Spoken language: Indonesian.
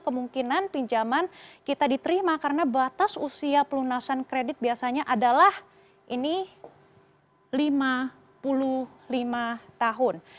kemungkinan pinjaman kita diterima karena batas usia pelunasan kredit biasanya adalah ini lima puluh lima tahun